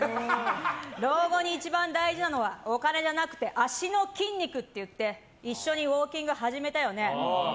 老後に一番大事なのはお金じゃなくて足の筋肉って言って一緒にウォーキング始めたよね？